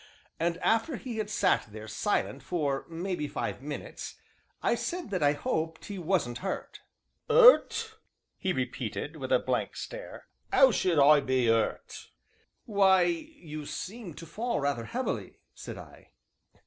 And, after he had sat there silent for maybe five minutes, I said that I hoped he wasn't hurt. "'Urt?" he repeated, with a blank stare. "'Ow should I be 'urt?" "Why, you seemed to fall rather heavily," said I.